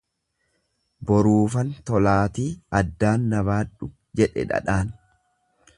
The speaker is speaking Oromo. Boruufan tolaatii addaan na baadhu jedhe dhadhaan.